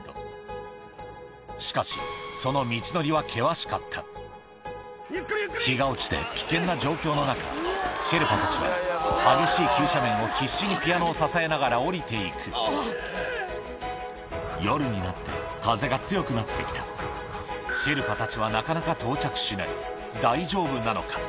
しかし日が落ちて危険な状況の中シェルパたちは激しい急斜面を必死にピアノを支えながら下りていく夜になって風が強くなってきた大丈夫なのか？